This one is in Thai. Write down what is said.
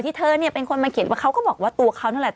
เธอเนี่ยเป็นคนมาเขียนว่าเขาก็บอกว่าตัวเขานั่นแหละ